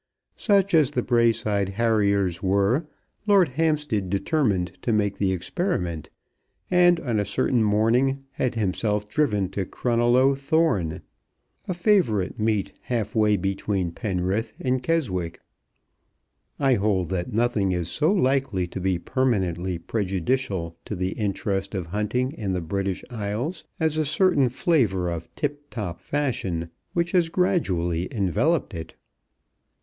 Such as the Braeside Harriers were, Lord Hampstead determined to make the experiment, and on a certain morning had himself driven to Cronelloe Thorn, a favourite meet halfway between Penrith and Keswick. I hold that nothing is so likely to be permanently prejudicial to the interest of hunting in the British Isles as a certain flavour of tip top fashion which has gradually enveloped it.